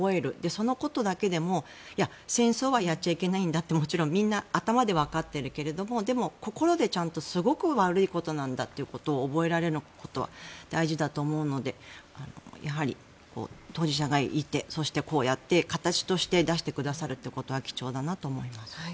そのことだけでも戦争はやっちゃいけないんだってもちろんみんな頭ではわかっているけれども、心ですごく悪いことなんだっていうことを覚えられることは大事だと思うのでやはり当事者がいてそしてこうやって形として出してくださることは貴重だなと思います。